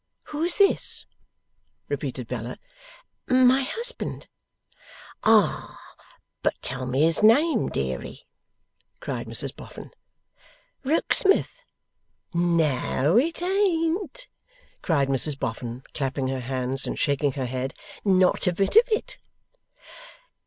'Who is this?' repeated Bella. 'My husband.' 'Ah! But tell me his name, deary!' cried Mrs Boffin. 'Rokesmith.' 'No, it ain't!' cried Mrs Boffin, clapping her hands, and shaking her head. 'Not a bit of it.